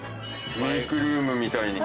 メークルームみたいに。